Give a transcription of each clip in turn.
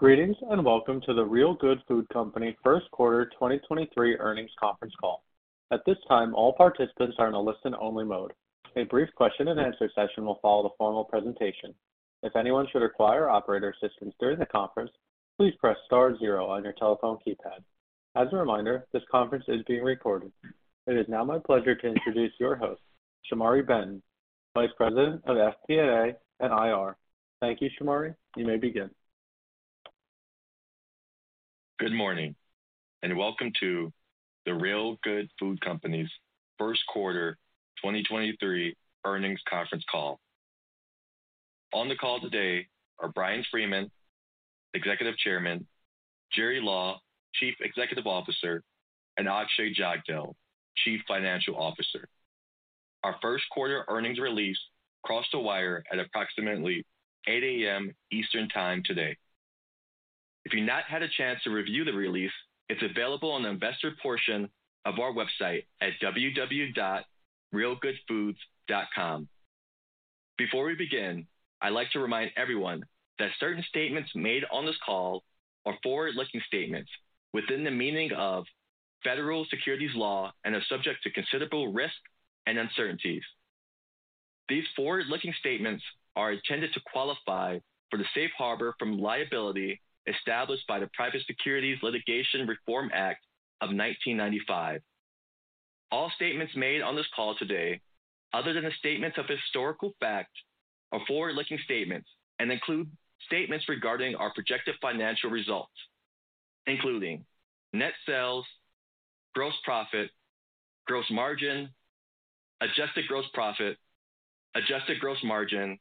Greetings, welcome to The Real Good Food Company 1st quarter 2023 earnings conference call. At this time, all participants are in a listen only mode. A brief question and answer session will follow the formal presentation. If anyone should require operator assistance during the conference, please press star zero on your telephone keypad. As a reminder, this conference is being recorded. It is now my pleasure to introduce your host, Shamari Benton, Vice President of FP&A and IR. Thank you, Shamari. You may begin. Good morning, and welcome to The Real Good Food Company's first quarter 2023 earnings conference call. On the call today are Bryan Freeman, Executive Chairman, Gerard Law, Chief Executive Officer, and Akshay Jagdale, Chief Financial Officer. Our first quarter earnings release crossed the wire at approximately 8:00 A.M. Eastern Time today. If you've not had a chance to review the release, it's available on the investor portion of our website at www.realgoodfoods.com. Before we begin, I'd like to remind everyone that certain statements made on this call are forward-looking statements within the meaning of federal securities law and are subject to considerable risk and uncertainties. These forward-looking statements are intended to qualify for the safe harbor from liability established by the Private Securities Litigation Reform Act of 1995. All statements made on this call today, other than the statements of historical fact, are forward-looking statements and include statements regarding our projected financial results, including net sales, gross profit, gross margin, adjusted gross profit, adjusted gross margin,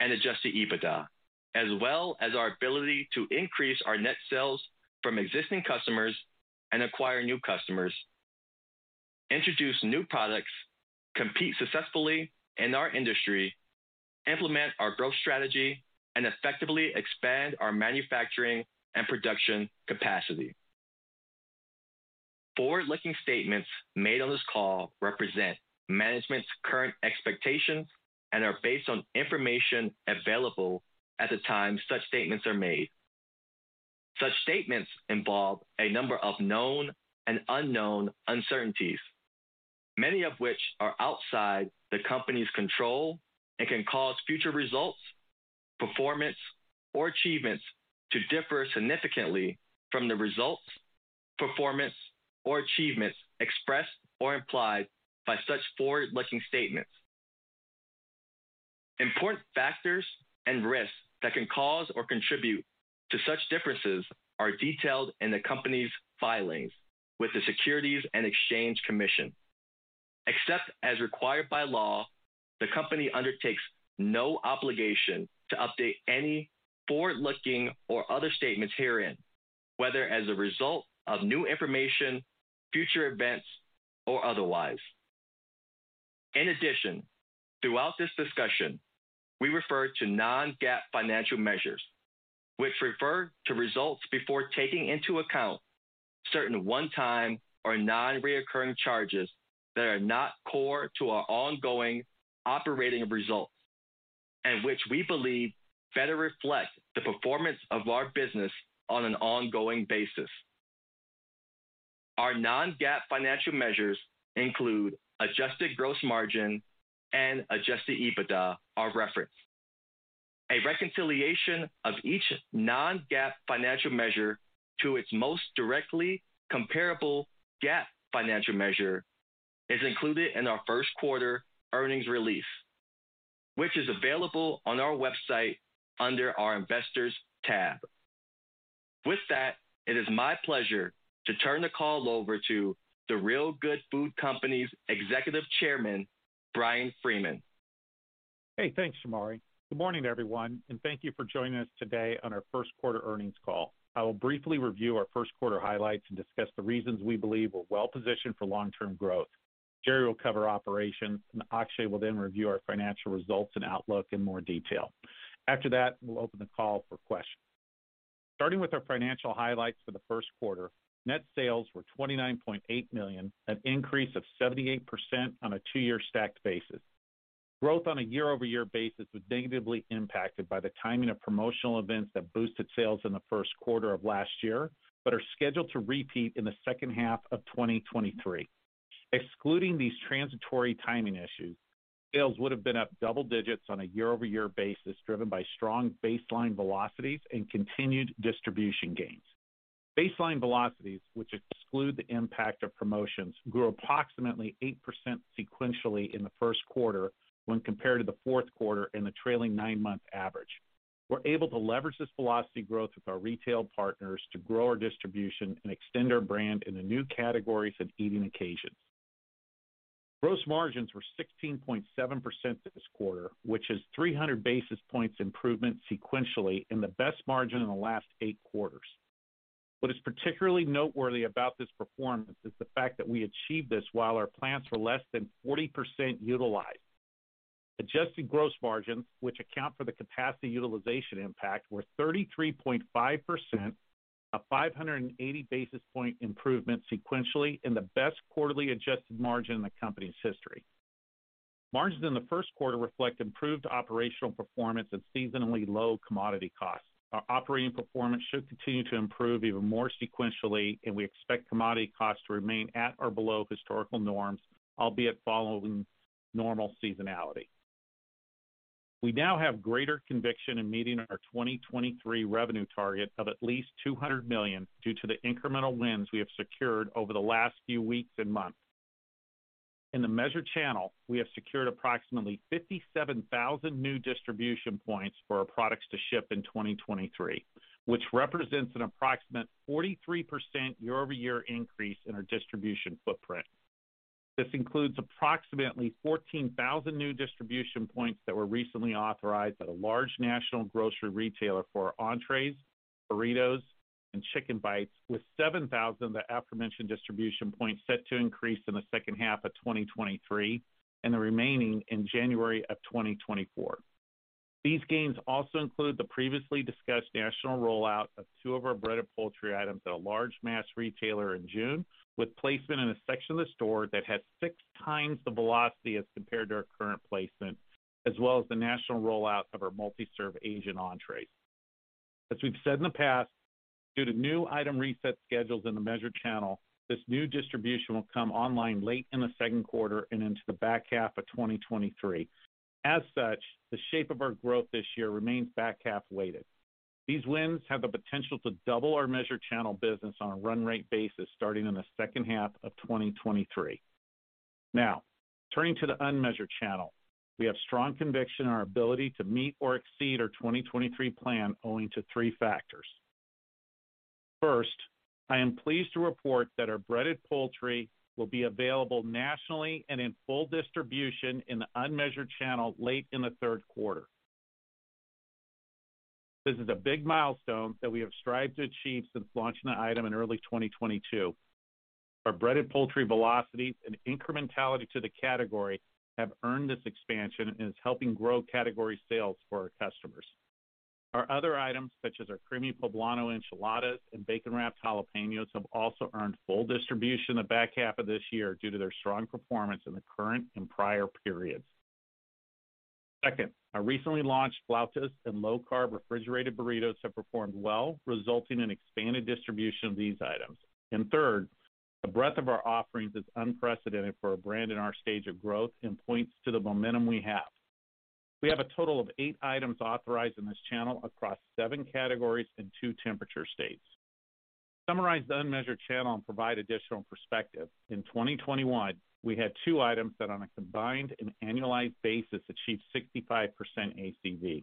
and adjusted EBITDA, as well as our ability to increase our net sales from existing customers and acquire new customers, introduce new products, compete successfully in our industry, implement our growth strategy, and effectively expand our manufacturing and production capacity. Forward-looking statements made on this call represent management's current expectations and are based on information available at the time such statements are made. Such statements involve a number of known and unknown uncertainties, many of which are outside the company's control and can cause future results, performance, or achievements to differ significantly from the results, performance, or achievements expressed or implied by such forward-looking statements. Important factors and risks that can cause or contribute to such differences are detailed in the company's filings with the Securities and Exchange Commission. Except as required by law, the company undertakes no obligation to update any forward-looking or other statements herein, whether as a result of new information, future events, or otherwise. In addition, throughout this discussion, we refer to non-GAAP financial measures, which refer to results before taking into account certain one-time or non-reoccurring charges that are not core to our ongoing operating results and which we believe better reflect the performance of our business on an ongoing basis. Our non-GAAP financial measures include adjusted gross margin and adjusted EBITDA are referenced. A reconciliation of each non-GAAP financial measure to its most directly comparable GAAP financial measure is included in our first quarter earnings release, which is available on our website under our Investors tab. With that, it is my pleasure to turn the call over to The Real Good Food Company's Executive Chairman, Bryan Freeman. Hey, thanks, Shamari. Good morning, everyone, thank you for joining us today on our first quarter earnings call. I will briefly review our first quarter highlights and discuss the reasons we believe we're well-positioned for long-term growth. Gerry will cover operations, Akshay will then review our financial results and outlook in more detail. After that, we'll open the call for questions. Starting with our financial highlights for the first quarter, net sales were $29.8 million, an increase of 78% on a two-year stacked basis. Growth on a year-over-year basis was negatively impacted by the timing of promotional events that boosted sales in the first quarter of last year but are scheduled to repeat in the second half of 2023. Excluding these transitory timing issues, sales would have been up double digits on a year-over-year basis, driven by strong baseline velocities and continued distribution gains. Baseline velocities, which exclude the impact of promotions, grew approximately 8% sequentially in the first quarter when compared to the fourth quarter and the trailing nine-month average. We're able to leverage this velocity growth with our retail partners to grow our distribution and extend our brand into new categories and eating occasions. Gross margins were 16.7% this quarter, which is 300 basis points improvement sequentially and the best margin in the last 8 quarters. What is particularly noteworthy about this performance is the fact that we achieved this while our plants were less than 40% utilized. Adjusted gross margins, which account for the capacity utilization impact, were 33.5%, a 580 basis point improvement sequentially and the best quarterly adjusted margin in the company's history. Margins in the first quarter reflect improved operational performance and seasonally low commodity costs. Our operating performance should continue to improve even more sequentially, and we expect commodity costs to remain at or below historical norms, albeit following normal seasonality. We now have greater conviction in meeting our 2023 revenue target of at least $200 million due to the incremental wins we have secured over the last few weeks and months. In the measured channel, we have secured approximately 57,000 new distribution points for our products to ship in 2023, which represents an approximate 43% year-over-year increase in our distribution footprint. This includes approximately 14,000 new distribution points that were recently authorized at a large national grocery retailer for our entrees, Burritos, and Chicken Bites, with 7,000 of the aforementioned distribution points set to increase in the second half of 2023 and the remaining in January of 2024. These gains also include the previously discussed national rollout of 2 of our Breaded Poultry items at a large mass retailer in June, with placement in a section of the store that has 6 times the velocity as compared to our current placement, as well as the national rollout of our multi-serve Asian entrées. As we've said in the past, due to new item reset schedules in the measured channel, this new distribution will come online late in the second quarter and into the back half of 2023. As such, the shape of our growth this year remains back-half weighted. These wins have the potential to double our measured channel business on a run rate basis starting in the second half of 2023. Turning to the unmeasured channel. We have strong conviction in our ability to meet or exceed our 2023 plan owing to 3 factors. First, I am pleased to report that our Breaded Poultry will be available nationally and in full distribution in the unmeasured channel late in the third quarter. This is a big milestone that we have strived to achieve since launching the item in early 2022. Our Breaded Poultry velocities and incrementality to the category have earned this expansion and is helping grow category sales for our customers. Our other items, such as our Creamy Poblano Enchiladas and Bacon Wrapped Jalapenos, have also earned full distribution in the back half of this year due to their strong performance in the current and prior periods. Second, our recently launched Flautas and low-carb refrigerated burritos have performed well, resulting in expanded distribution of these items. Third, the breadth of our offerings is unprecedented for a brand in our stage of growth and points to the momentum we have. We have a total of eight items authorized in this channel across seven categories and two temperature states. To summarize the unmeasured channel and provide additional perspective, in 2021, we had two items that on a combined and annualized basis achieved 65% ACV.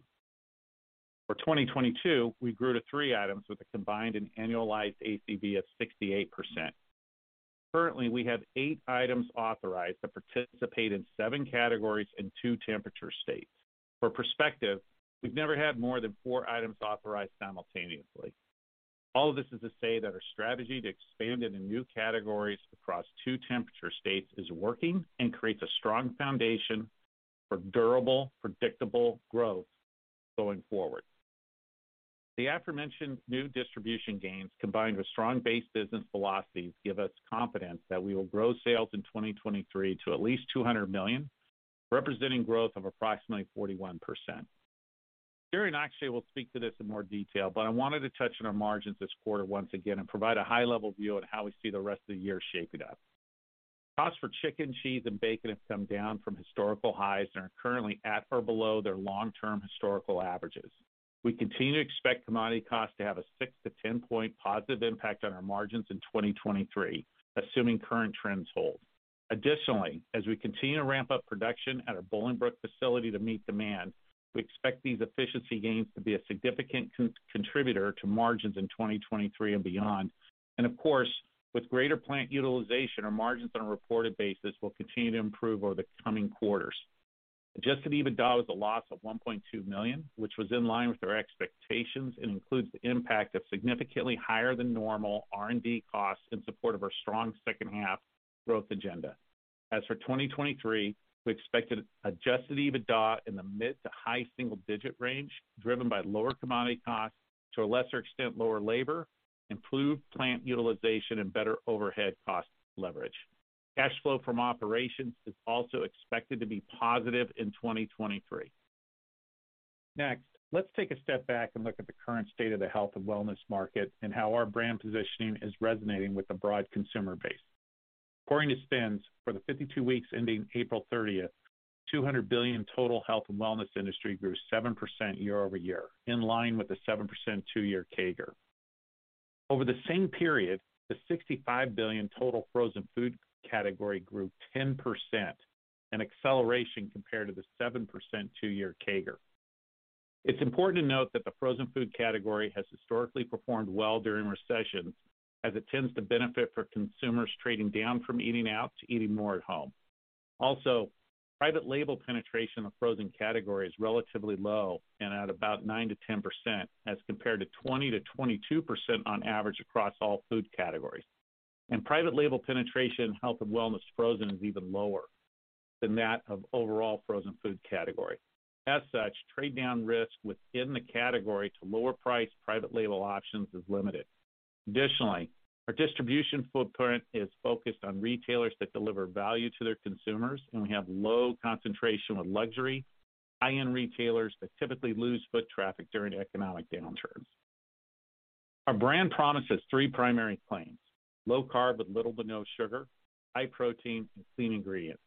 For 2022, we grew to three items with a combined and annualized ACV of 68%. Currently, we have 8 items authorized that participate in seven categories and two temperature states. For perspective, we've never had more than four items authorized simultaneously. All of this is to say that our strategy to expand into new categories across two temperature states is working and creates a strong foundation for durable, predictable growth going forward. The aforementioned new distribution gains, combined with strong base business velocities, give us confidence that we will grow sales in 2023 to at least $200 million, representing growth of approximately 41%. Gerry and Akshay will speak to this in more detail. I wanted to touch on our margins this quarter once again and provide a high-level view on how we see the rest of the year shaping up. Costs for chicken, cheese, and bacon have come down from historical highs and are currently at or below their long-term historical averages. We continue to expect commodity costs to have a 6-10 point positive impact on our margins in 2023, assuming current trends hold. Additionally, as we continue to ramp up production at our Bolingbrook facility to meet demand, we expect these efficiency gains to be a significant contributor to margins in 2023 and beyond. Of course, with greater plant utilization, our margins on a reported basis will continue to improve over the coming quarters. Adjusted EBITDA was a loss of $1.2 million, which was in line with our expectations and includes the impact of significantly higher than normal R&D costs in support of our strong second half growth agenda. As for 2023, we expect an adjusted EBITDA in the mid to high single-digit range, driven by lower commodity costs, to a lesser extent lower labor, improved plant utilization, and better overhead cost leverage. Cash flow from operations is also expected to be positive in 2023. Next, let's take a step back and look at the current state of the health and wellness market and how our brand positioning is resonating with the broad consumer base. According to SPINS, for the 52 weeks ending April 30th, the $200 billion total health and wellness industry grew 7% year-over-year, in line with the 7% two-year CAGR. Over the same period, the $65 billion total frozen food category grew 10%, an acceleration compared to the 7% two-year CAGR. It's important to note that the frozen food category has historically performed well during recessions as it tends to benefit for consumers trading down from eating out to eating more at home. Also, private label penetration of frozen category is relatively low and at about 9%-10% as compared to 20%-22% on average across all food categories. Private label penetration in health and wellness frozen is even lower than that of overall frozen food category. As such, trade down risk within the category to lower priced private label options is limited. Additionally, our distribution footprint is focused on retailers that deliver value to their consumers, and we have low concentration of luxury high-end retailers that typically lose foot traffic during economic downturns. Our brand promises three primary claims, low carb with little to no sugar, high protein, and clean ingredients.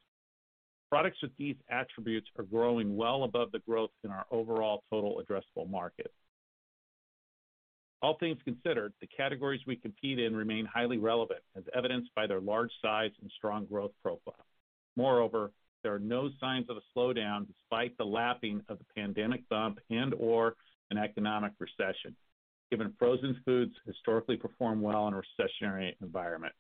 Products with these attributes are growing well above the growth in our overall total addressable market. All things considered, the categories we compete in remain highly relevant, as evidenced by their large size and strong growth profile. There are no signs of a slowdown despite the lapping of the pandemic bump and/or an economic recession, given frozen foods historically perform well in a recessionary environment.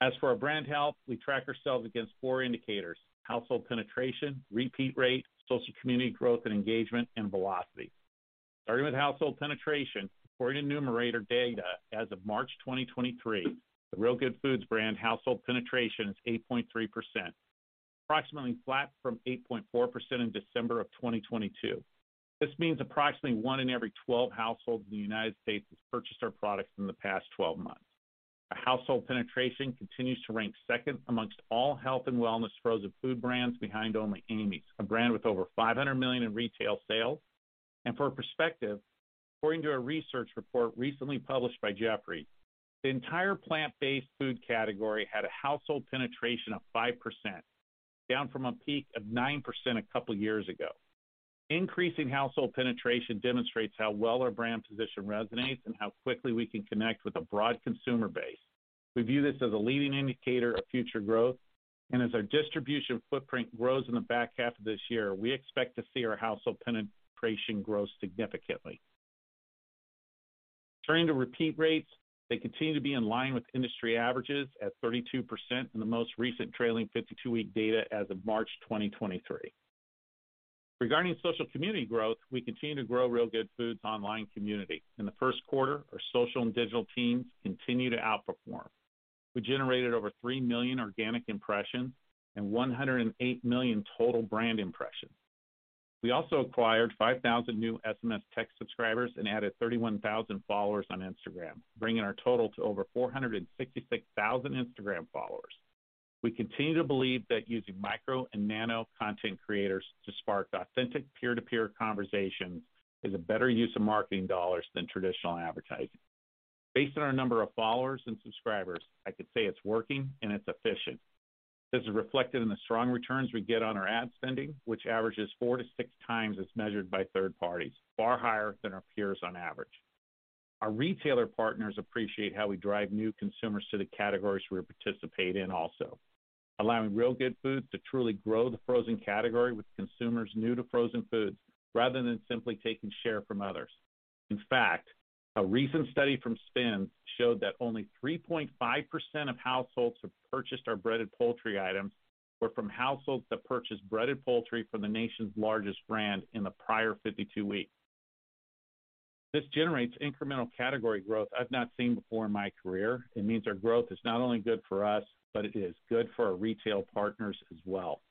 As for our brand health, we track ourselves against four indicators: household penetration, repeat rate, social community growth and engagement, and velocity. Starting with household penetration, according to Numerator data, as of March 2023, the Real Good Foods brand household penetration is 8.3%, approximately flat from 8.4% in December 2022. This means approximately one in every 12 households in the United States has purchased our products in the past 12 months. Our household penetration continues to rank second amongst all health and wellness frozen food brands behind only Amy's, a brand with over $500 million in retail sales. For perspective, according to a research report recently published by Jefferies, the entire plant-based food category had a household penetration of 5%, down from a peak of 9% a couple years ago. Increasing household penetration demonstrates how well our brand position resonates and how quickly we can connect with a broad consumer base. We view this as a leading indicator of future growth, and as our distribution footprint grows in the back half of this year, we expect to see our household penetration grow significantly. Turning to repeat rates, they continue to be in line with industry averages at 32% in the most recent trailing 52-week data as of March 2023. Regarding social community growth, we continue to grow Real Good Foods online community. In the first quarter, our social and digital teams continue to outperform. We generated over 3 million organic impressions and 108 million total brand impressions. We also acquired 5,000 new SMS text subscribers and added 31,000 followers on Instagram, bringing our total to over 466,000 Instagram followers. We continue to believe that using micro and nano content creators to spark authentic peer-to-peer conversations is a better use of marketing dollars than traditional advertising. Based on our number of followers and subscribers, I could say it's working and it's efficient. This is reflected in the strong returns we get on our ad spending, which averages 4-6 times as measured by third parties, far higher than our peers on average. Our retailer partners appreciate how we drive new consumers to the categories we participate in also, allowing Real Good Foods to truly grow the frozen category with consumers new to frozen foods rather than simply taking share from others. In fact, a recent study from SPINS showed that only 3.5% of households who purchased our Breaded Poultry items were from households that purchased Breaded Poultry from the nation's largest brand in the prior 52 weeks. This generates incremental category growth I've not seen before in my career. It means our growth is not only good for us, but it is good for our retail partners as well.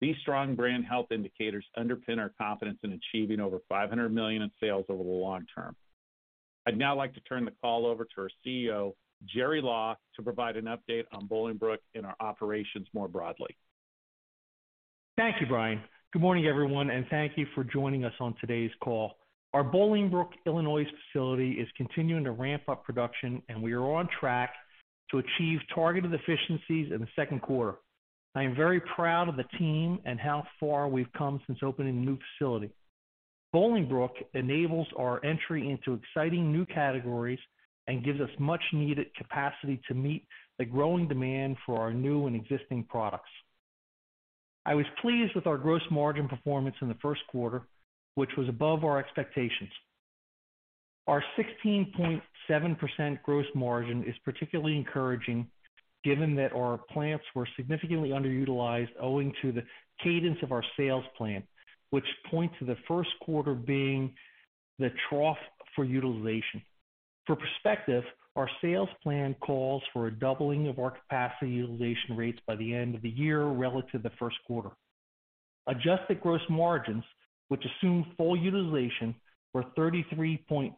These strong brand health indicators underpin our confidence in achieving over $500 million in sales over the long term. I'd now like to turn the call over to our CEO, Gerard Law, to provide an update on Bolingbrook and our operations more broadly. Thank you, Bryan. Good morning, everyone, and thank you for joining us on today's call. Our Bolingbrook, Illinois, facility is continuing to ramp up production, and we are on track to achieve targeted efficiencies in the second quarter. I am very proud of the team and how far we've come since opening the new facility. Bolingbrook enables our entry into exciting new categories and gives us much-needed capacity to meet the growing demand for our new and existing products. I was pleased with our gross margin performance in the first quarter, which was above our expectations. Our 16.7% gross margin is particularly encouraging given that our plants were significantly underutilized owing to the cadence of our sales plan, which points to the first quarter being the trough for utilization. For perspective, our sales plan calls for a doubling of our capacity utilization rates by the end of the year relative to the first quarter. Adjusted gross margins, which assume full utilization, were 33.5%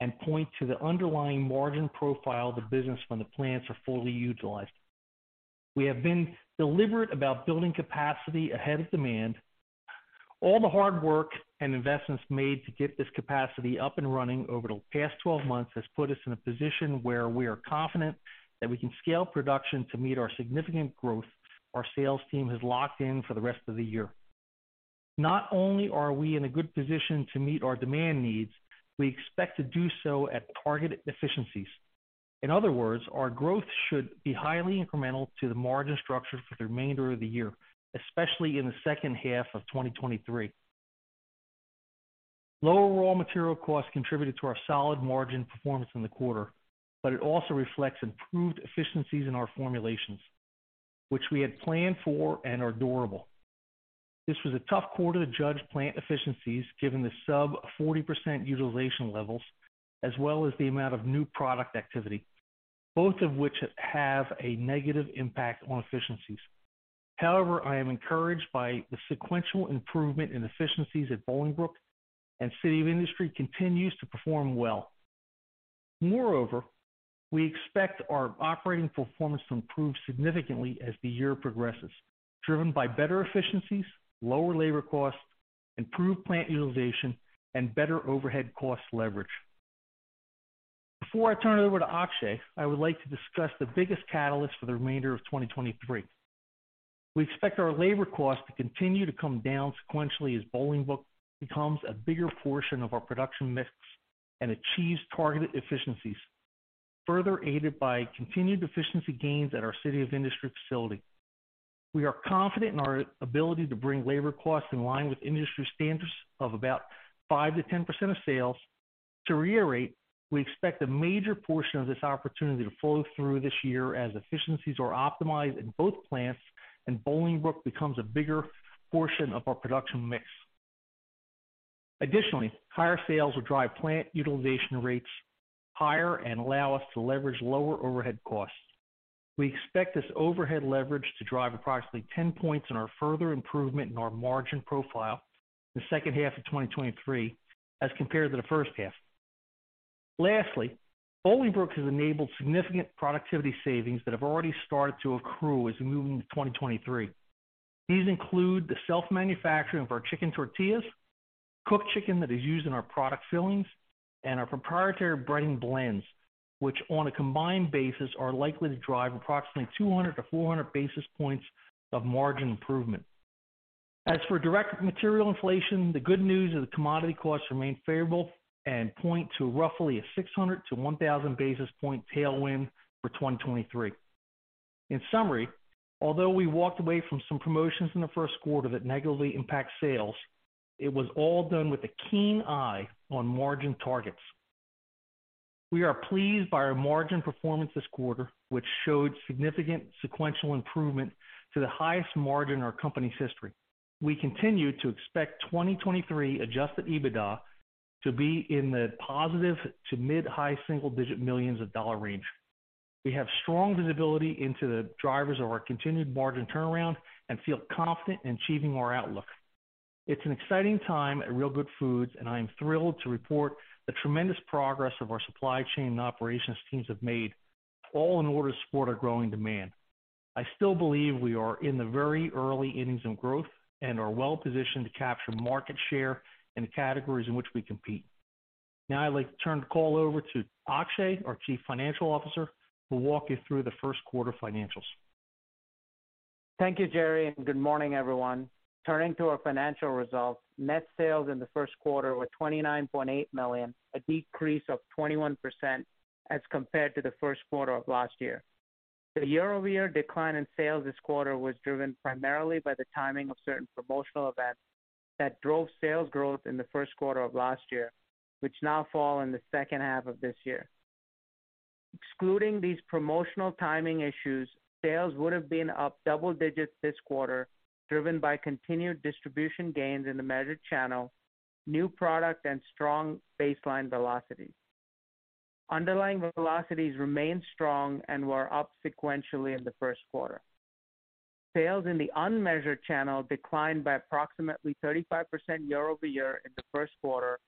and point to the underlying margin profile of the business when the plants are fully utilized. We have been deliberate about building capacity ahead of demand. All the hard work and investments made to get this capacity up and running over the past 12 months has put us in a position where we are confident that we can scale production to meet our significant growth our sales team has locked in for the rest of the year. Not only are we in a good position to meet our demand needs, we expect to do so at targeted efficiencies. In other words, our growth should be highly incremental to the margin structure for the remainder of the year, especially in the second half of 2023. Lower raw material costs contributed to our solid margin performance in the quarter, it also reflects improved efficiencies in our formulations, which we had planned for and are durable. This was a tough quarter to judge plant efficiencies given the sub 40% utilization levels as well as the amount of new product activity, both of which have a negative impact on efficiencies. However, I am encouraged by the sequential improvement in efficiencies at Bolingbrook and City of Industry continues to perform well. We expect our operating performance to improve significantly as the year progresses, driven by better efficiencies, lower labor costs, improved plant utilization, and better overhead cost leverage. Before I turn it over to Akshay, I would like to discuss the biggest catalyst for the remainder of 2023. We expect our labor costs to continue to come down sequentially as Bolingbrook becomes a bigger portion of our production mix and achieves targeted efficiencies, further aided by continued efficiency gains at our City of Industry facility. We are confident in our ability to bring labor costs in line with industry standards of about 5%-10% of sales. To reiterate, we expect a major portion of this opportunity to flow through this year as efficiencies are optimized in both plants and Bolingbrook becomes a bigger portion of our production mix. Higher sales will drive plant utilization rates higher and allow us to leverage lower overhead costs. We expect this overhead leverage to drive approximately 10 points in our further improvement in our margin profile in the second half of 2023 as compared to the first half. Bolingbrook has enabled significant productivity savings that have already started to accrue as we move into 2023. These include the self-manufacturing of our chicken tortillas, cooked chicken that is used in our product fillings, and our proprietary breading blends, which on a combined basis are likely to drive approximately 200-400 basis points of margin improvement. As for direct material inflation, the good news is the commodity costs remain favorable and point to roughly a 600-1,000 basis point tailwind for 2023. Although we walked away from some promotions in the first quarter that negatively impact sales, it was all done with a keen eye on margin targets. We are pleased by our margin performance this quarter, which showed significant sequential improvement to the highest margin in our company's history. We continue to expect 2023 adjusted EBITDA to be in the positive to mid-high single-digit millions of dollars range. We have strong visibility into the drivers of our continued margin turnaround and feel confident in achieving our outlook. It's an exciting time at Real Good Foods, and I am thrilled to report the tremendous progress of our supply chain and operations teams have made all in order to support our growing demand. I still believe we are in the very early innings in growth and are well positioned to capture market share in the categories in which we compete. Now, I'd like to turn the call over to Akshay, our Chief Financial Officer, who will walk you through the first quarter financials. Thank you, Gerry. Good morning, everyone. Turning to our financial results. Net sales in the first quarter were $29.8 million, a decrease of 21% as compared to the Q1 of last year. The year-over-year decline in sales this quarter was driven primarily by the timing of certain promotional events that drove sales growth in the Q1 of last year, which now fall in the H2 of this year. Excluding these promotional timing issues, sales would have been up double digits this quarter, driven by continued distribution gains in the measured channel, new product, and strong baseline velocities. Underlying velocities remained strong and were up sequentially in the first quarter. Sales in the unmeasured channel declined by approximately 35% year-over-year in the first quarter,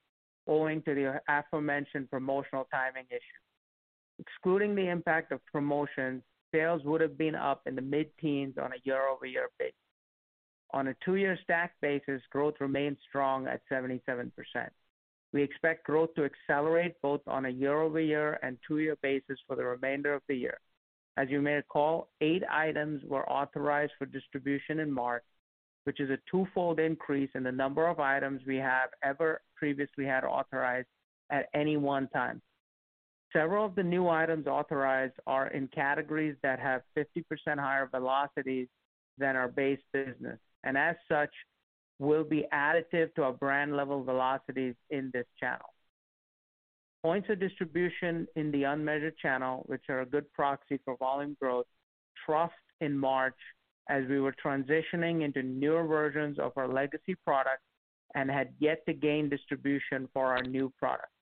owing to the aforementioned promotional timing issue. Excluding the impact of promotions, sales would have been up in the mid-teens on a year-over-year basis. On a two-year stack basis, growth remained strong at 77%. We expect growth to accelerate both on a year-over-year and two-year basis for the remainder of the year. As you may recall, 8 items were authorized for distribution in March, which is a twofold increase in the number of items we have ever previously had authorized at any one time. Several of the new items authorized are in categories that have 50% higher velocities than our base business, and as such, will be additive to our brand level velocities in this channel. Points of distribution in the unmeasured channel, which are a good proxy for volume growth, troughed in March as we were transitioning into newer versions of our legacy products and had yet to gain distribution for our new products.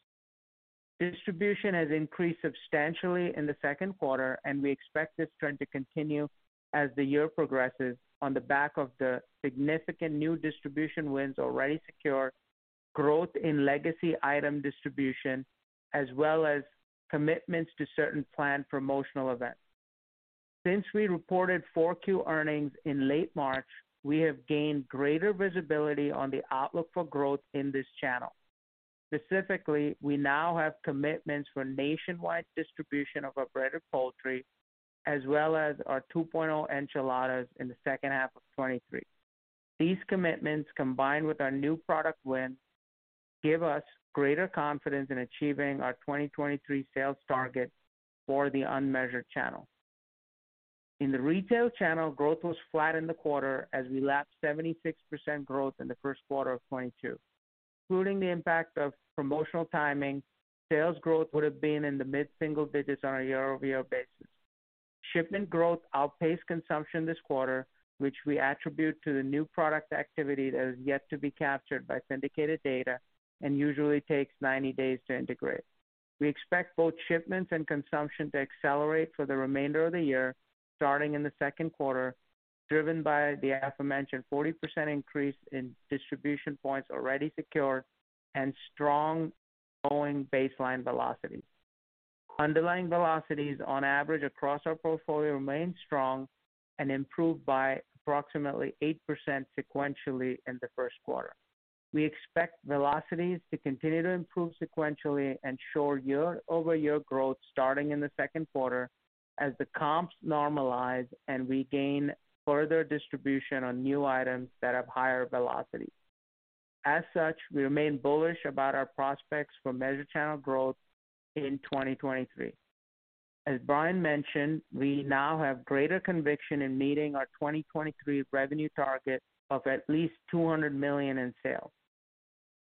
Distribution has increased substantially in the second quarter, and we expect this trend to continue as the year progresses on the back of the significant new distribution wins already secured, growth in legacy item distribution, as well as commitments to certain planned promotional events. Since we reported 4Q earnings in late March, we have gained greater visibility on the outlook for growth in this channel. Specifically, we now have commitments for nationwide distribution of our Breaded Poultry, as well as our 2.0 Enchiladas in the second half of 2023. These commitments, combined with our new product win, give us greater confidence in achieving our 2023 sales target for the unmeasured channel. In the retail channel, growth was flat in the quarter as we lapped 76% growth in the first quarter of 2022. Excluding the impact of promotional timing, sales growth would have been in the mid-single digits on a year-over-year basis. Shipment growth outpaced consumption this quarter, which we attribute to the new product activity that is yet to be captured by syndicated data and usually takes 90 days to integrate. We expect both shipments and consumption to accelerate for the remainder of the year, starting in the second quarter, driven by the aforementioned 40% increase in distribution points already secured and strong owing baseline velocities. Underlying velocities on average across our portfolio remain strong and improved by approximately 8% sequentially in the first quarter. We expect velocities to continue to improve sequentially and show year-over-year growth starting in the second quarter as the comps normalize and we gain further distribution on new items that have higher velocities. As such, we remain bullish about our prospects for measured channel growth in 2023. As Bryan mentioned, we now have greater conviction in meeting our 2023 revenue target of at least $200 million in sales.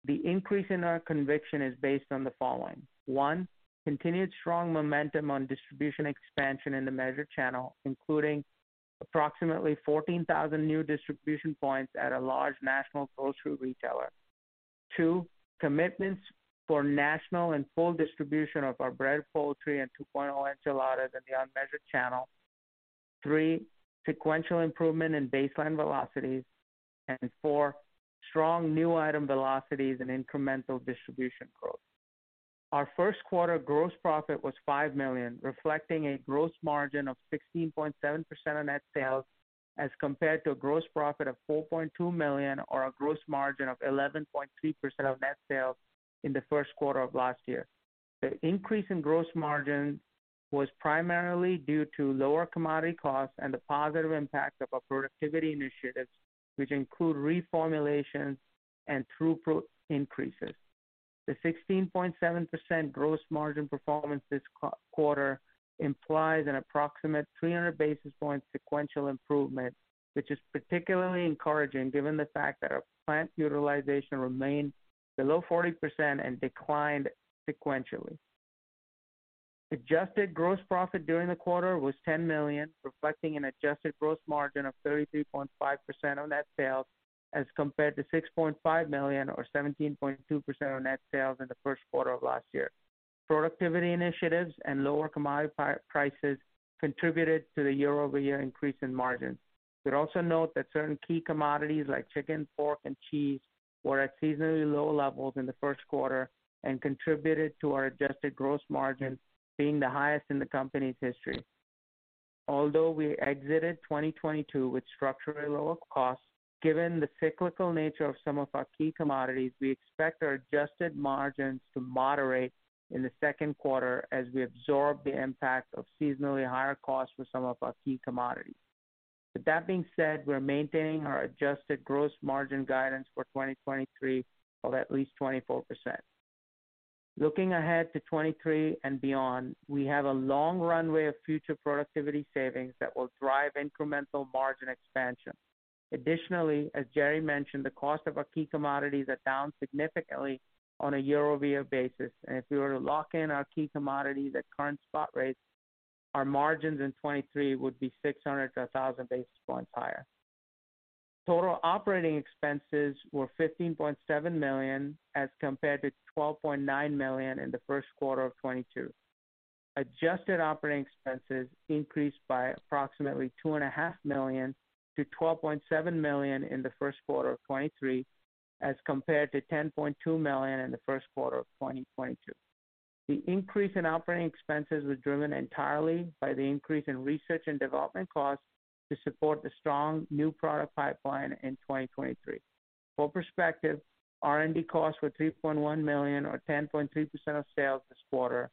The increase in our conviction is based on the following. One. Continued strong momentum on distribution expansion in the measured channel, including approximately 14,000 new distribution points at a large national grocery retailer. Two. Commitments for national and full distribution of our Breaded Poultry and 2.0 Enchiladas in the unmeasured channel. Three. Sequential improvement in baseline velocities. Four. Strong new item velocities and incremental distribution growth. Our first quarter gross profit was $5 million, reflecting a gross margin of 16.7% of net sales, as compared to a gross profit of $4.2 million or a gross margin of 11.3% of net sales in the first quarter of last year. The increase in gross margin was primarily due to lower commodity costs and the positive impact of our productivity initiatives, which include reformulations and throughput increases. The 16.7% gross margin performance this quarter implies an approximate 300 basis point sequential improvement, which is particularly encouraging given the fact that our plant utilization remained below 40% and declined sequentially. Adjusted gross profit during the quarter was $10 million, reflecting an adjusted gross margin of 33.5% of net sales, as compared to $6.5 million or 17.2% of net sales in the first quarter of last year. Productivity initiatives and lower commodity prices contributed to the year-over-year increase in margin. We'd also note that certain key commodities like chicken, pork, and cheese were at seasonally low levels in the first quarter and contributed to our adjusted gross margin being the highest in the company's history. Although we exited 2022 with structurally lower costs, given the cyclical nature of some of our key commodities, we expect our adjusted margins to moderate in the second quarter as we absorb the impact of seasonally higher costs for some of our key commodities. With that being said, we're maintaining our adjusted gross margin guidance for 2023 of at least 24%. Looking ahead to 2023 and beyond, we have a long runway of future productivity savings that will drive incremental margin expansion. Additionally, as Jerry mentioned, the cost of our key commodities are down significantly on a year-over-year basis. If we were to lock in our key commodities at current spot rates, our margins in 2023 would be 600-1,000 basis points higher. Total operating expenses were $15.7 million, as compared to $12.9 million in the first quarter of 2022. Adjusted operating expenses increased by approximately $2.5 million to $12.7 million in the first quarter of 2023, as compared to $10.2 million in the first quarter of 2022. The increase in operating expenses was driven entirely by the increase in research and development costs to support the strong new product pipeline in 2023. For perspective, R&D costs were $3.1 million or 10.3% of sales this quarter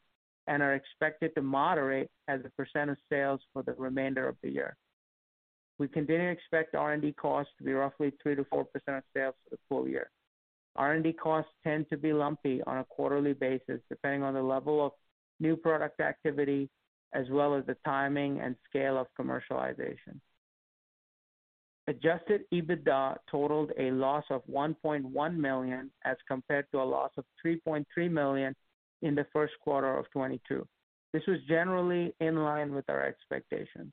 and are expected to moderate as a % of sales for the remainder of the year. We continue to expect R&D costs to be roughly 3%-4% of sales for the full year. R&D costs tend to be lumpy on a quarterly basis, depending on the level of new product activity as well as the timing and scale of commercialization. adjusted EBITDA totaled a loss of $1.1 million as compared to a loss of $3.3 million in the first quarter of 2022. This was generally in line with our expectations.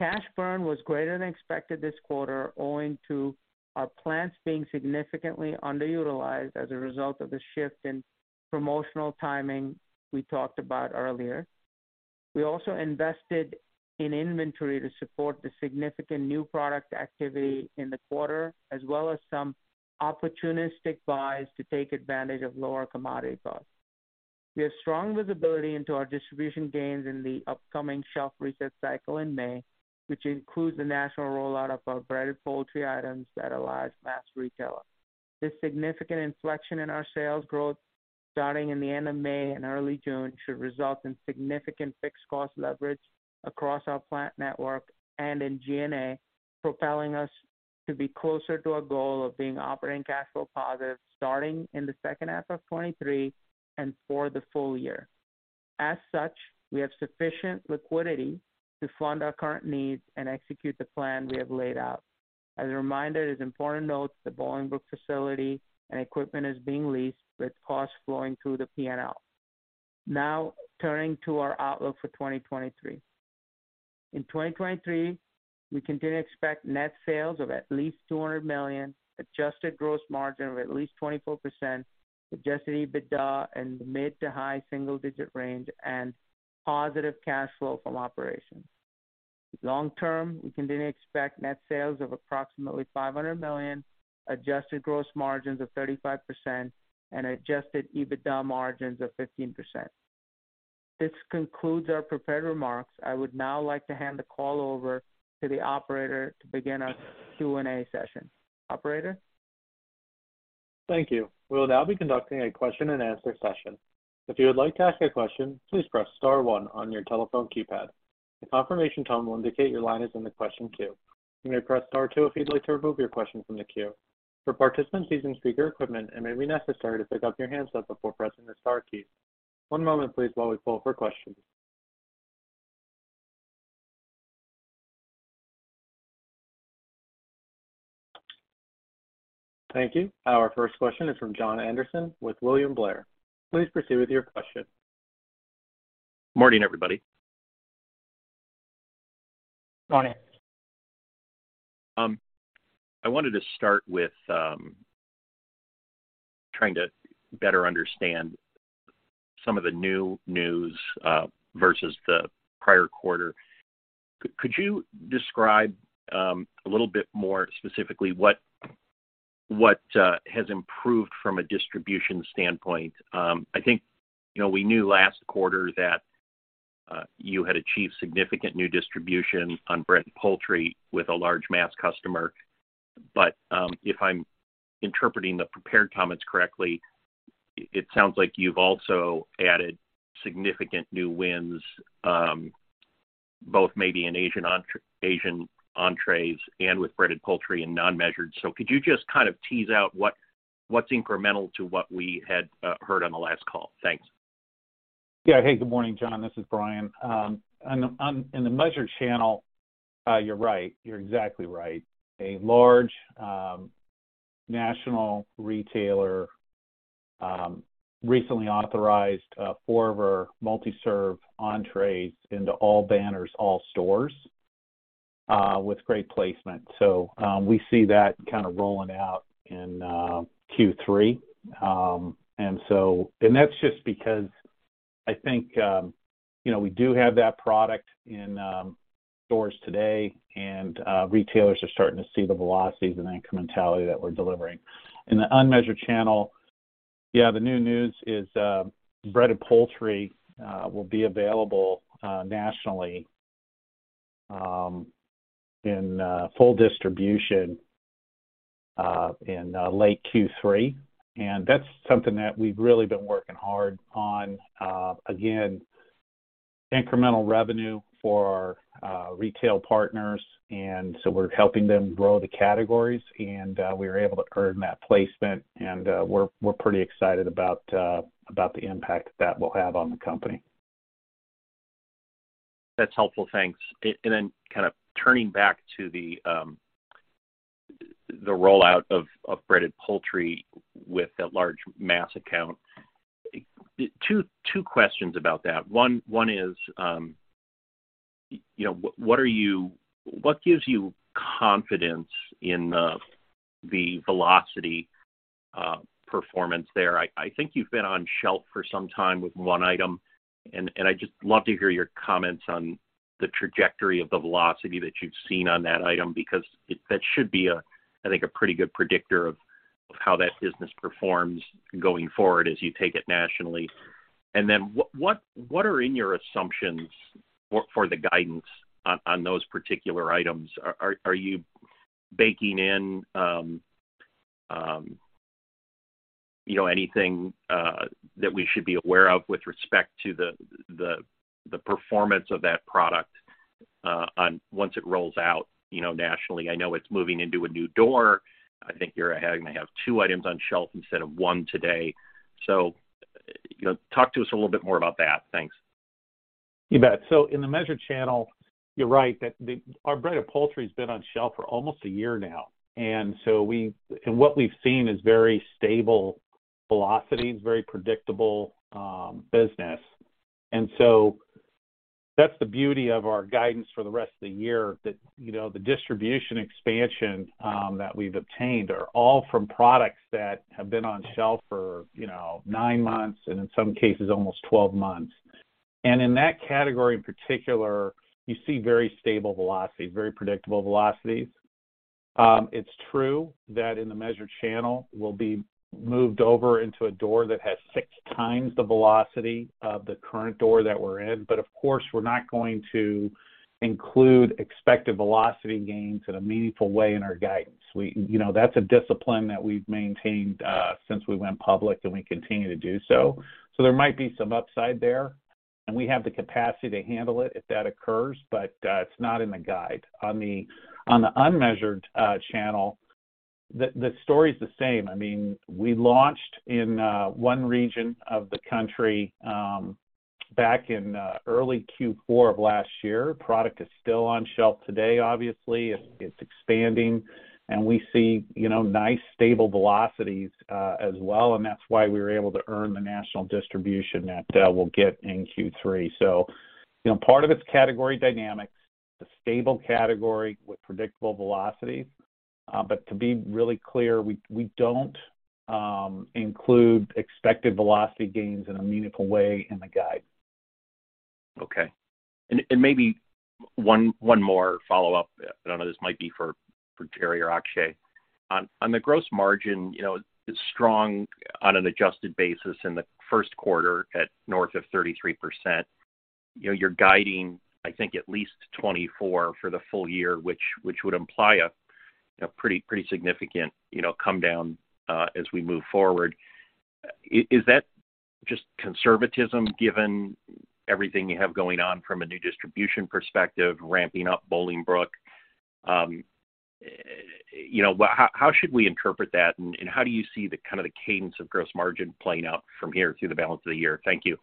Cash burn was greater than expected this quarter owing to our plants being significantly underutilized as a result of the shift in promotional timing we talked about earlier. We also invested in inventory to support the significant new product activity in the quarter, as well as some opportunistic buys to take advantage of lower commodity costs. We have strong visibility into our distribution gains in the upcoming shelf reset cycle in May, which includes the national rollout of our Breaded Poultry items at a large mass retailer. This significant inflection in our sales growth starting in the end of May and early June should result in significant fixed cost leverage across our plant network and in G&A, propelling us to be closer to our goal of being operating cash flow positive starting in the second half of 2023 and for the full year. As such, we have sufficient liquidity to fund our current needs and execute the plan we have laid out. As a reminder, it is important to note the Bolingbrook facility and equipment is being leased with costs flowing through the P&L. Turning to our outlook for 2023. In 2023, we continue to expect net sales of at least $200 million, adjusted gross margin of at least 24%, adjusted EBITDA in mid-to-high single digit range, and positive cash flow from operations. Long term, we continue to expect net sales of approximately $500 million, adjusted gross margins of 35% and adjusted EBITDA margins of 15%. This concludes our prepared remarks. I would now like to hand the call over to the operator to begin our Q&A session. Operator? Thank you. We'll now be conducting a question and answer session. If you would like to ask a question, please press star one on your telephone keypad. A confirmation tone will indicate your line is in the question queue. You may press star two if you'd like to remove your question from the queue. For participants using speaker equipment, it may be necessary to pick up your handset before pressing the star keys. One moment please while we pull for questions. Thank you. Our first question is from Jon Andersen with William Blair. Please proceed with your question. Morning, everybody. Morning. I wanted to start with trying to better understand some of the new news versus the prior quarter. Could you describe a little bit more specifically what has improved from a distribution standpoint? I think, you know, we knew last quarter that you had achieved significant new distribution on Breaded Poultry with a large mass customer. If I'm interpreting the prepared comments correctly, it sounds like you've also added significant new wins, both maybe in Asian Entrees and with Breaded Poultry and non-measured. Could you just kind of tease out what's incremental to what we had heard on the last call? Thanks. Yeah. Hey, good morning, Jon. This is Bryan. on in the measured channel, you're right. You're exactly right. A large national retailer recently authorized four of our multi-serve entrées into all banners, all stores with great placement. We see that kind of rolling out in Q3. That's just because I think, you know, we do have that product in stores today, and retailers are starting to see the velocities and the incrementality that we're delivering. In the unmeasured channel, yeah, the new news is Breaded Poultry will be available nationally in full distribution in late Q3. That's something that we've really been working hard on. Again, incremental revenue for our retail partners. We're helping them grow the categories and we were able to earn that placement, and we're pretty excited about the impact that will have on the company. That's helpful. Thanks. Then kind of turning back to the rollout of Breaded Poultry with that large mass account. Two questions about that. One is, you know, what gives you confidence in the velocity performance there? I think you've been on shelf for some time with one item, and I'd just love to hear your comments on the trajectory of the velocity that you've seen on that item, because that should be a, I think, a pretty good predictor of how that business performs going forward as you take it nationally. Then what are in your assumptions for the guidance on those particular items? Are you baking in, you know, anything that we should be aware of with respect to the performance of that product, once it rolls out, you know, nationally? I know it's moving into a new door. I think you're having to have two items on shelf instead of one today. You know, talk to us a little bit more about that. Thanks. You bet. In the measured channel, you're right that our Breaded Poultry has been on shelf for almost 1 year now. What we've seen is very stable velocities, very predictable business. That's the beauty of our guidance for the rest of the year that, you know, the distribution expansion that we've obtained are all from products that have been on shelf for, you know, 9 months, and in some cases almost 12 months. In that category in particular, you see very stable velocity, very predictable velocities. It's true that in the measured channel we'll be moved over into a door that has 6 times the velocity of the current door that we're in. Of course, we're not going to include expected velocity gains in a meaningful way in our guidance. you know, that's a discipline that we've maintained since we went public, and we continue to do so. There might be some upside there, and we have the capacity to handle it if that occurs, but it's not in the guide. On the unmeasured channel, the story's the same. I mean, we launched in one region of the country back in early Q4 of last year. Product is still on shelf today, obviously. It's expanding, and we see, you know, nice stable velocities as well, and that's why we were able to earn the national distribution that we'll get in Q3. you know, part of it's category dynamics, it's a stable category with predictable velocities. But to be really clear, we don't include expected velocity gains in a meaningful way in the guide. Okay. Maybe one more follow-up. I don't know, this might be for Jerry or Akshay. On the gross margin, you know, strong on an adjusted basis in the first quarter at north of 33%. You know, you're guiding, I think, at least 24% for the full year, which would imply a pretty significant, you know, come down as we move forward. Is that just conservatism given everything you have going on from a new distribution perspective, ramping up Bolingbrook? You know, how should we interpret that, and how do you see the kind of the cadence of gross margin playing out from here through the balance of the year? Thank you.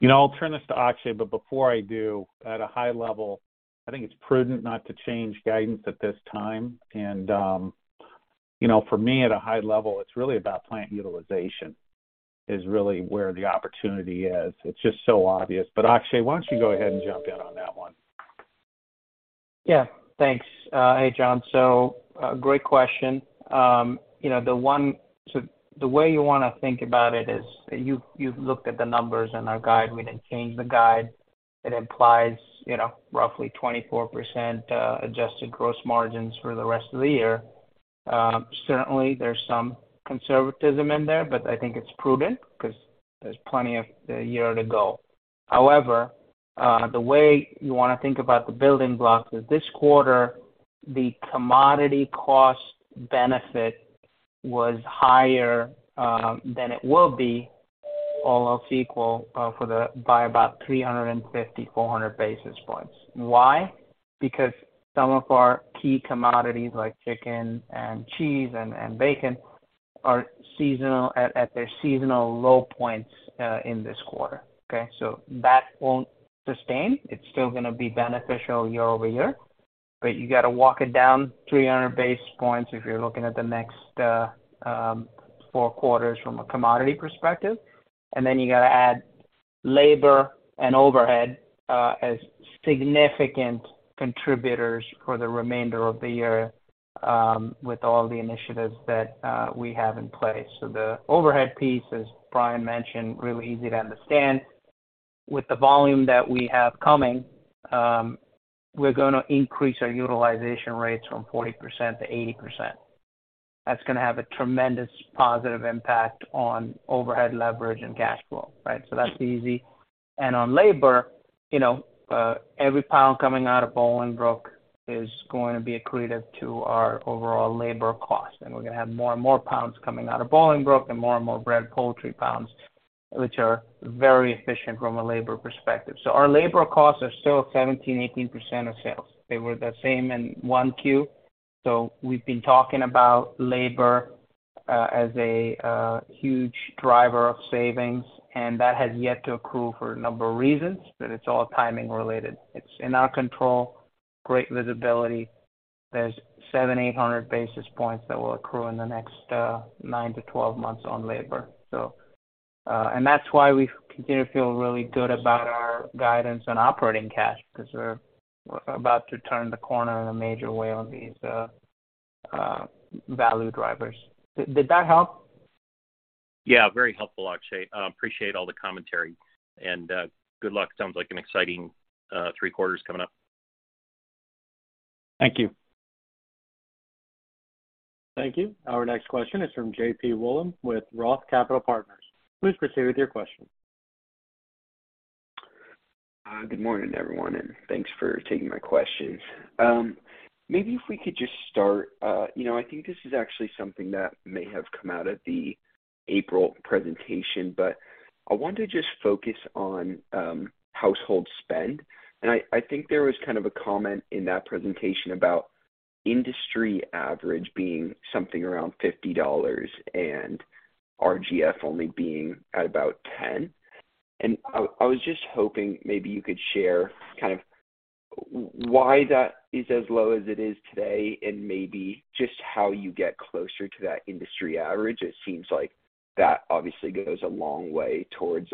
You know, I'll turn this to Akshay, but before I do, at a high level, I think it's prudent not to change guidance at this time. You know, for me, at a high level, it's really about plant utilization is really where the opportunity is. It's just so obvious. Akshay, why don't you go ahead and jump in on that one? Yeah. Thanks. Hey, Jon. A great question. You know, the way you wanna think about it is you've looked at the numbers in our guide. We didn't change the guide. It implies, you know, roughly 24%, adjusted gross margins for the rest of the year. Certainly there's some conservatism in there, but I think it's prudent 'cause there's plenty of the year to go. However, the way you wanna think about the building blocks is this quarter, the commodity cost benefit was higher than it will be all else equal, by about 350-400 basis points. Why? Because some of our key commodities, like chicken and cheese and bacon, are seasonal, at their seasonal low points, in this quarter. Okay? That won't sustain. It's still gonna be beneficial year-over-year, you gotta walk it down 300 basis points if you're looking at the next 4 quarters from a commodity perspective. Then you gotta add labor and overhead as significant contributors for the remainder of the year with all the initiatives that we have in place. The overhead piece, as Bryan mentioned, really easy to understand. With the volume that we have coming, we're gonna increase our utilization rates from 40% to 80%. That's gonna have a tremendous positive impact on overhead leverage and cash flow, right? That's easy. On labor, you know, every pound coming out of Bolingbrook is going to be accretive to our overall labor cost. We're gonna have more and more pounds coming out of Bolingbrook and more and more bread poultry pounds, which are very efficient from a labor perspective. Our labor costs are still 17%, 18% of sales. They were the same in 1Q. We've been talking about labor, as a huge driver of savings, and that has yet to accrue for a number of reasons, but it's all timing related. It's in our control, great visibility. There's 700-800 basis points that will accrue in the next 9-12 months on labor. That's why we continue to feel really good about our guidance on operating cash 'cause we're about to turn the corner in a major way on these value drivers. Did that help? Yeah, very helpful, Akshay. Appreciate all the commentary. Good luck. Sounds like an exciting 3 quarters coming up. Thank you. Thank you. Our next question is from John-Paul Wollam with Roth Capital Partners. Please proceed with your question. Good morning, everyone, thanks for taking my questions. Maybe if we could just start, you know, I think this is actually something that may have come out at the April presentation, but I want to just focus on household spend. I think there was kind of a comment in that presentation about industry average being something around $50 and RGF only being at about $10. I was just hoping maybe you could share kind of why that is as low as it is today and maybe just how you get closer to that industry average. It seems like that obviously goes a long way towards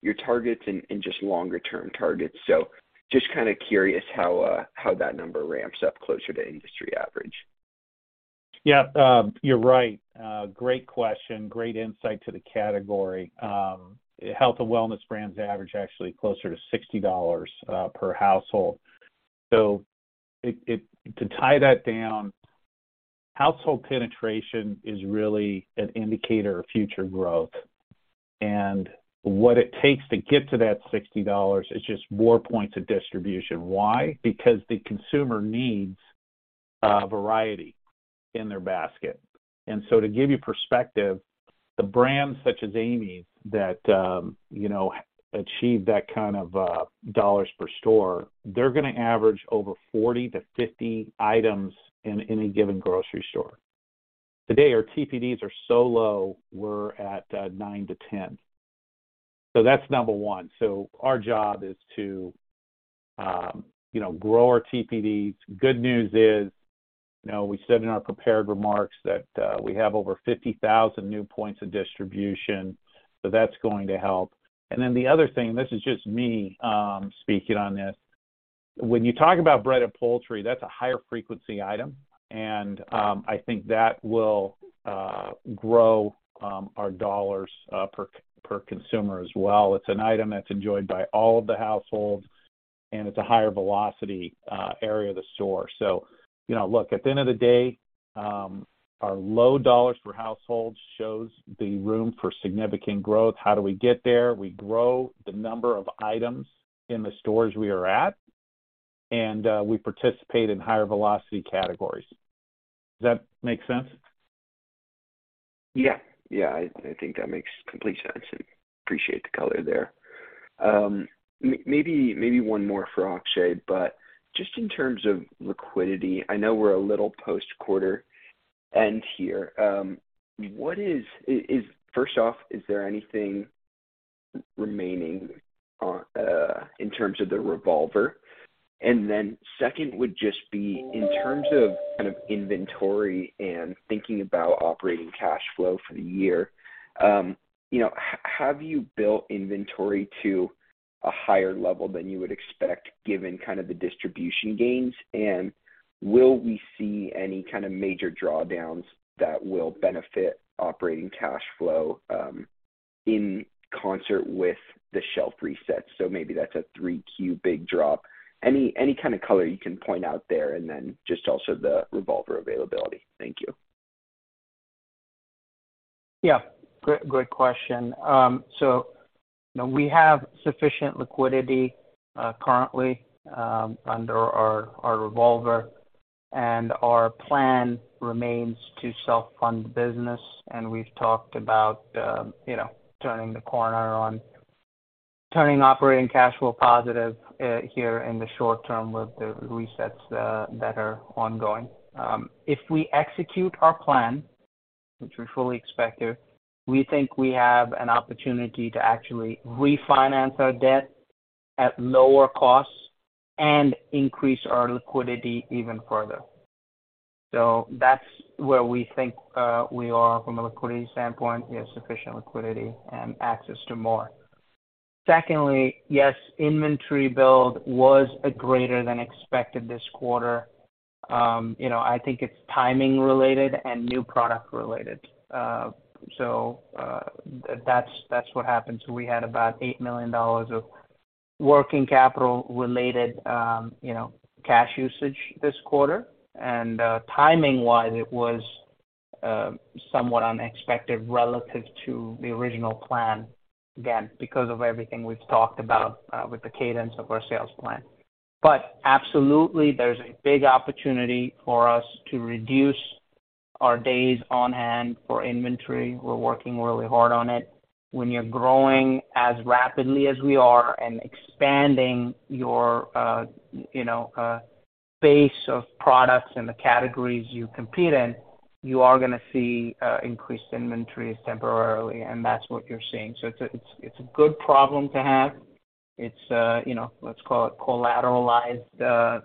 your targets and just longer term targets. Just kinda curious how that number ramps up closer to industry average. You're right. Great question. Great insight to the category. Health and wellness brands average actually closer to $60 per household. To tie that down, household penetration is really an indicator of future growth. What it takes to get to that $60 is just more points of distribution. Why? Because the consumer needs variety in their basket. To give you perspective, the brands such as Amy's that, you know, achieve that kind of dollars per store, they're gonna average over 40-50 items in any given grocery store. Today, our TPDs are so low, we're at 9-10. That's number one. Our job is to, you know, grow our TPD. Good news is, you know, we said in our prepared remarks that we have over 50,000 new Points of Distribution, so that's going to help. The other thing, this is just me speaking on this. When you talk about Breaded Poultry, that's a higher frequency item. I think that will grow our dollars per consumer as well. It's an item that's enjoyed by all of the households, and it's a higher velocity area of the store. You know, look, at the end of the day, our low dollars per household shows the room for significant growth. How do we get there? We grow the number of items in the stores we are at, and we participate in higher velocity categories. Does that make sense? Yeah, I think that makes complete sense. Appreciate the color there. Maybe one more for Akshay, but just in terms of liquidity, I know we're a little post quarter end here. What is First off, is there anything remaining on in terms of the revolver? Second would just be in terms of kind of inventory and thinking about operating cash flow for the year, you know, have you built inventory to a higher level than you would expect given kind of the distribution gains? Will we see any kind of major drawdowns that will benefit operating cash flow in concert with the shelf resets? Maybe that's a 3Q big drop. Any kind of color you can point out there, and then just also the revolver availability. Thank you. Yeah. Great, great question. You know, we have sufficient liquidity currently under our revolver, and our plan remains to self-fund the business. We've talked about, you know, turning the corner on turning operating cash flow positive here in the short term with the resets that are ongoing. If we execute our plan, which we fully expect to, we think we have an opportunity to actually refinance our debt at lower costs and increase our liquidity even further. That's where we think we are from a liquidity standpoint. We have sufficient liquidity and access to more. Secondly, yes, inventory build was a greater than expected this quarter. You know, I think it's timing related and new product related. That's what happened. We had about $8 million of working capital related, you know, cash usage this quarter. Timing wise, it was somewhat unexpected relative to the original plan, again, because of everything we've talked about with the cadence of our sales plan. Absolutely, there's a big opportunity for us to reduce our days on hand for inventory. We're working really hard on it. When you're growing as rapidly as we are and expanding your, you know, base of products and the categories you compete in, you are gonna see increased inventories temporarily, and that's what you're seeing. It's a good problem to have. It's, you know, let's call it collateralized,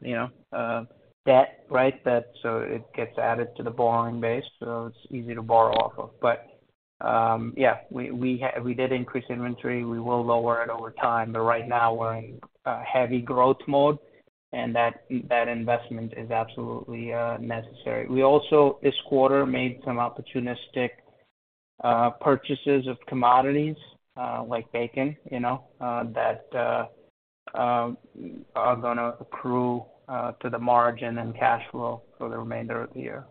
you know, debt, right? It gets added to the borrowing base, so it's easy to borrow off of. Yeah, we did increase inventory. We will lower it over time, but right now we're in heavy growth mode, and that investment is absolutely necessary. We also, this quarter, made some opportunistic purchases of commodities, like bacon, you know, that are gonna accrue to the margin and cash flow for the remainder of the year.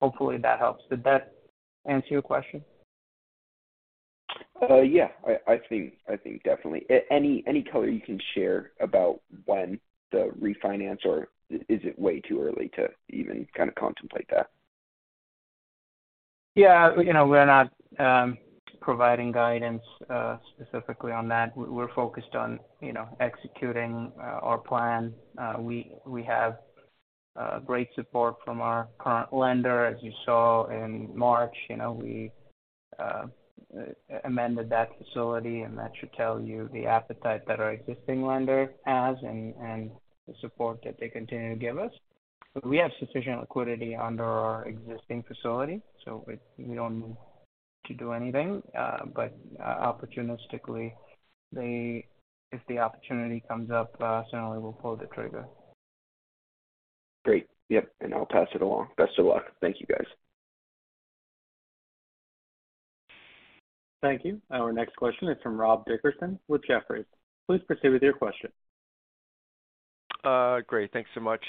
Hopefully that helps. Did that answer your question? Yeah, I think definitely. Any color you can share about when the refinance, or is it way too early to even kind of contemplate that? Yeah. You know, we're not providing guidance specifically on that. We're focused on, you know, executing our plan. We have great support from our current lender. As you saw in March, you know, we amended that facility, and that should tell you the appetite that our existing lender has and the support that they continue to give us. We have sufficient liquidity under our existing facility, so we don't need to do anything. Opportunistically, if the opportunity comes up, certainly we'll pull the trigger. Great. Yep. I'll pass it along. Best of luck. Thank you, guys. Thank you. Our next question is from Rob Dickerson with Jefferies. Please proceed with your question. Great. Thanks so much.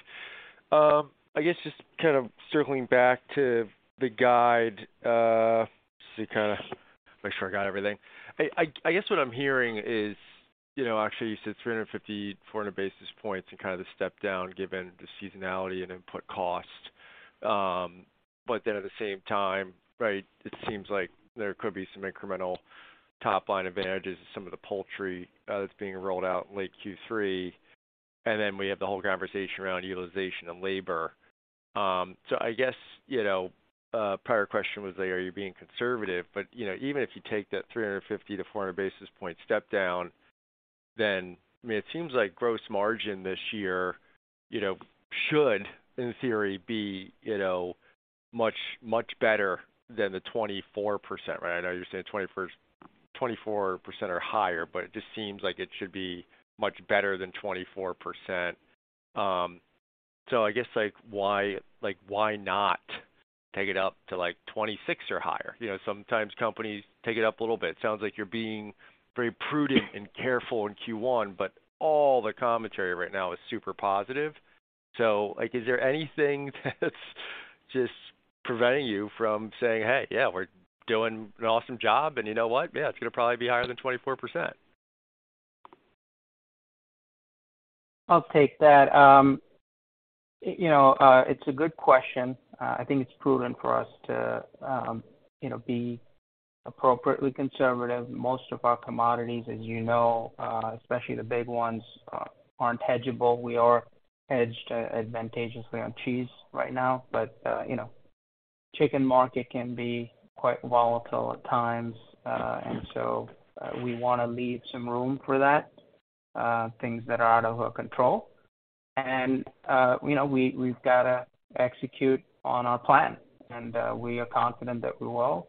I guess just kind of circling back to the guide, just to kind of make sure I got everything. I guess what I'm hearing is, you know, Akshay, you said 350, 400 basis points and kind of the step down given the seasonality and input cost. At the same time, right, it seems like there could be some incremental top-line advantages of some of the poultry, that's being rolled out in late Q3. We have the whole conversation around utilization of labor. I guess, you know, prior question was there, are you being conservative? You know, even if you take that 350-400 basis point step down, I mean, it seems like gross margin this year. You know, should in theory be, you know, much, much better than the 24%, right? I know you're saying 24% or higher, but it just seems like it should be much better than 24%. I guess, like, why not take it up to, like, 26 or higher? You know, sometimes companies take it up a little bit. Sounds like you're being very prudent and careful in Q1, but all the commentary right now is super positive. Like, is there anything that's just preventing you from saying, "Hey. Yeah, we're doing an awesome job, and you know what? Yeah, it's gonna probably be higher than 24%. I'll take that. You know, it's a good question. I think it's prudent for us to, you know, be appropriately conservative. Most of our commodities, as you know, especially the big ones, aren't hedgeable. We are hedged advantageously on cheese right now. You know, chicken market can be quite volatile at times. We wanna leave some room for that, things that are out of our control. You know, we've gotta execute on our plan, and we are confident that we will.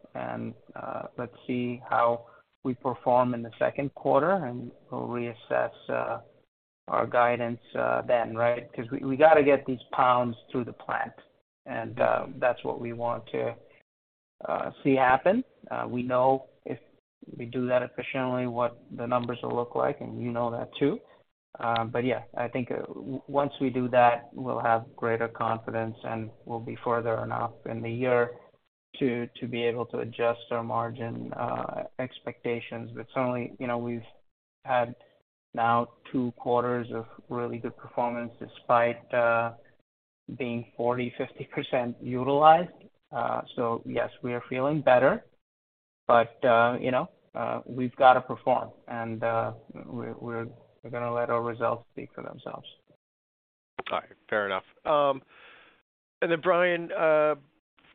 Let's see how we perform in the second quarter, and we'll reassess our guidance then, right? 'Cause we gotta get these pounds through the plant, and that's what we want to see happen. We know if we do that efficiently what the numbers will look like, and you know that too. Yeah, I think once we do that, we'll have greater confidence, and we'll be further enough in the year to be able to adjust our margin expectations. Certainly, you know, we've had now two quarters of really good performance despite being 40%, 50% utilized. Yes, we are feeling better. You know, we've got to perform. We're gonna let our results speak for themselves. All right. Fair enough. Bryan,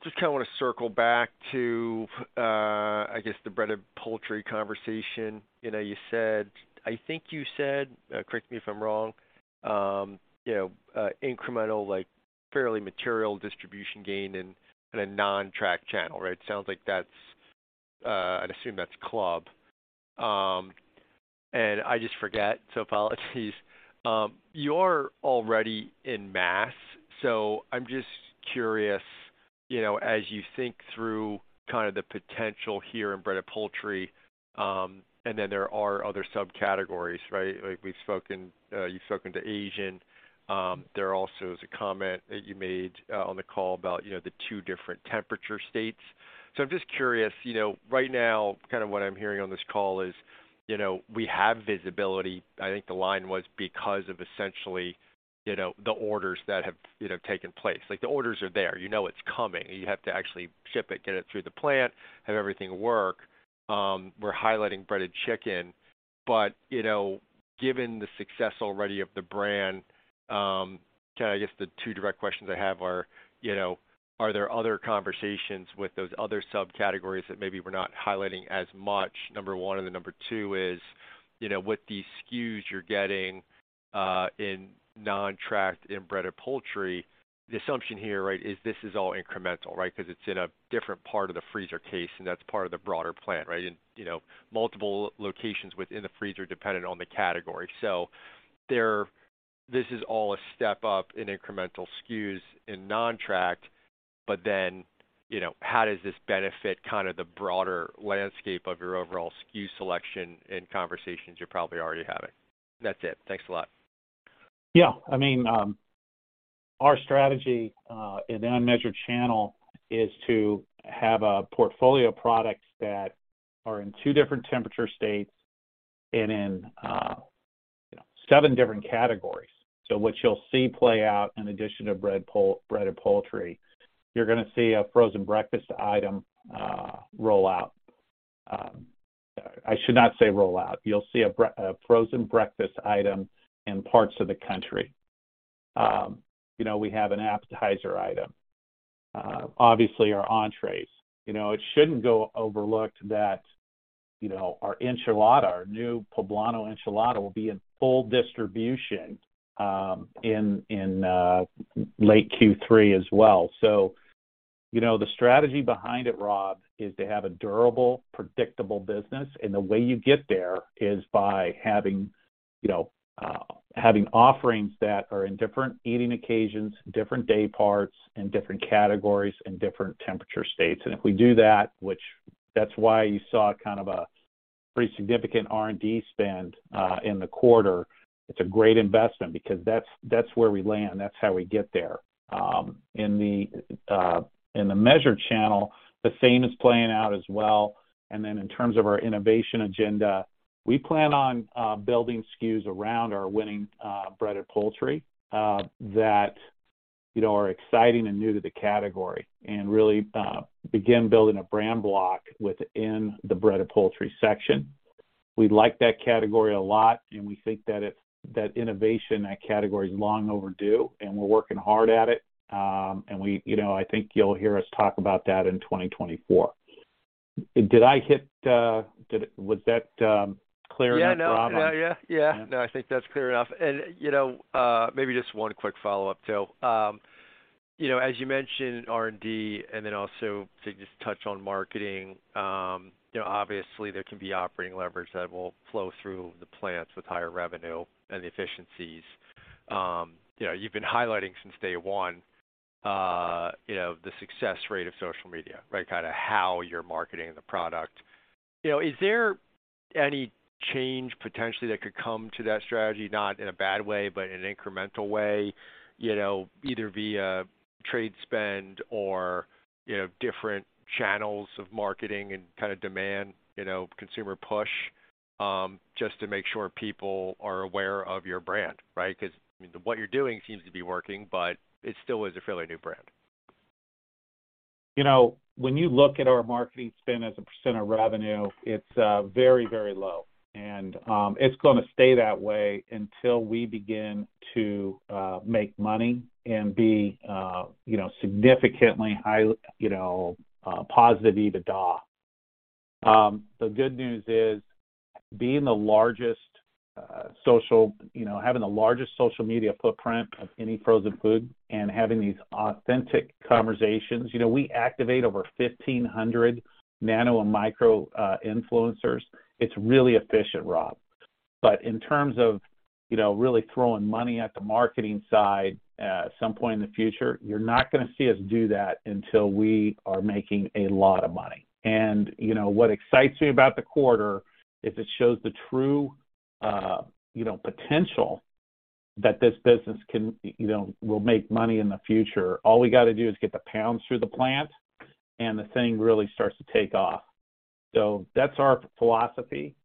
just kinda wanna circle back to, I guess, the Breaded Poultry conversation. You know, I think you said, correct me if I'm wrong, you know, incremental, like, fairly material distribution gain in a non-tracked channel, right? Sounds like that's, I'd assume that's club. I just forget, so apologies. You're already in mass, so I'm just curious, you know, as you think through kind of the potential here in Breaded Poultry, there are other subcategories, right? Like you've spoken to Asian. There also is a comment that you made on the call about, you know, the two different temperature states. I'm just curious, you know, right now, kind of what I'm hearing on this call is, you know, we have visibility. I think the line was because of essentially, you know, the orders that have, you know, taken place. Like, the orders are there. You know it's coming. You have to actually ship it, get it through the plant, have everything work. We're highlighting breaded chicken. You know, given the success already of the brand, kinda, I guess, the two direct questions I have are, you know, are there other conversations with those other subcategories that maybe we're not highlighting as much? Number one. Number two is, you know, with these SKUs you're getting, in non-tracked and breaded poultry, the assumption here, right, is this is all incremental, right? 'Cause it's in a different part of the freezer case, and that's part of the broader plan, right? You know, multiple locations within the freezer dependent on the category. This is all a step up in incremental SKUs in non-tracked. You know, how does this benefit kind of the broader landscape of your overall SKU selection and conversations you're probably already having? That's it. Thanks a lot. Yeah. I mean, our strategy in the unmeasured channel is to have a portfolio of products that are in two different temperature states and in, you know, seven different categories. What you'll see play out in addition to breaded poultry, you're gonna see a frozen breakfast item roll out. I should not say roll out. You'll see a frozen breakfast item in parts of the country. You know, we have an appetizer item. Obviously our entrees. You know, it shouldn't go overlooked that, you know, our enchilada, our new Poblano Enchilada, will be in full distribution in late Q3 as well. You know, the strategy behind it, Rob, is to have a durable, predictable business, the way you get there is by having, you know, offerings that are in different eating occasions, different day parts, and different categories, and different temperature states. If we do that, which that's why you saw kind of a pretty significant R&D spend in the quarter, it's a great investment because that's where we land, that's how we get there. In the measured channel, the same is playing out as well. In terms of our innovation agenda, we plan on building SKUs around our winning breaded poultry that, you know, are exciting and new to the category, and really begin building a brand block within the breaded poultry section. We like that category a lot. We think that innovation in that category is long overdue, and we're working hard at it. We, you know, I think you'll hear us talk about that in 2024. Did I hit, was that, clear enough, Rob? Yeah, no, yeah. No, I think that's clear enough. You know, maybe just one quick follow-up, Phil. You know, as you mentioned R&D, then also to just touch on marketing, you know, obviously there can be operating leverage that will flow through the plants with higher revenue and the efficiencies. You know, you've been highlighting since day one, you know, the success rate of social media, right? Kinda how you're marketing the product. You know, is there any change potentially that could come to that strategy? Not in a bad way, but in an incremental way, you know, either via trade spend or, you know, different channels of marketing and kinda demand, you know, consumer push, just to make sure people are aware of your brand, right? What you're doing seems to be working, but it still is a fairly new brand. You know, when you look at our marketing spend as a % of revenue, it's very, very low. It's gonna stay that way until we begin to make money and be, you know, significantly high, you know, positive EBITDA. The good news is being the largest social, you know, having the largest social media footprint of any frozen food and having these authentic conversations, you know, we activate over 1,500 nano and micro influencers. It's really efficient, Rob. In terms of, you know, really throwing money at the marketing side at some point in the future, you're not gonna see us do that until we are making a lot of money. You know, what excites me about the quarter is it shows the true, you know, potential that this business can, you know, will make money in the future. All we gotta do is get the pounds through the plant, and the thing really starts to take off. That's our philosophy.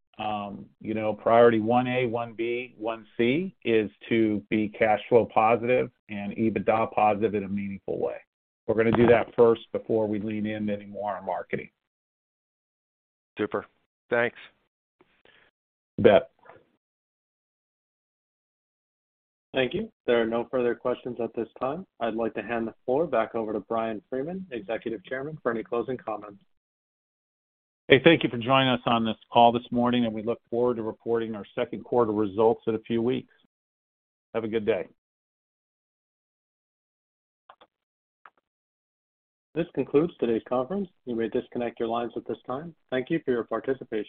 You know, priority one A, one B, one C is to be cash flow positive and EBITDA positive in a meaningful way. We're gonna do that first before we lean in anymore on marketing. Super. Thanks. You bet. Thank you. There are no further questions at this time. I'd like to hand the floor back over to Bryan Freeman, executive chairman, for any closing comments. Hey, thank you for joining us on this call this morning, and we look forward to reporting our second quarter results in a few weeks. Have a good day. This concludes today's conference. You may disconnect your lines at this time. Thank you for your participation.